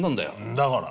だから。